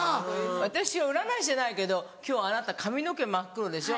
私は占い師じゃないけど今日あなた髪の毛真っ黒でしょ